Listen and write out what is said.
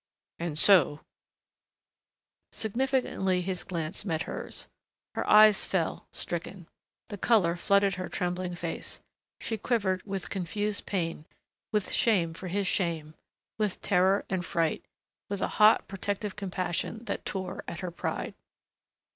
And so " Significantly his glance met hers. Her eyes fell, stricken. The color flooded her trembling face. She quivered with confused pain, with shame for his shame, with terror and fright ... with a hot, protective compassion that tore at her pride....